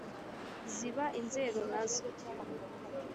ziba inzeru na zo,